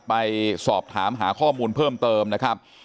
ไปสอบถามหาข้อมูลเพิ่มเติมนะครับ